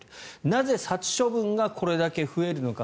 なぜ殺処分がこれだけ増えるのか。